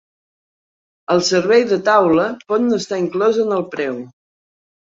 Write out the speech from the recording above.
El servei de taula pot no estar inclòs en el preu.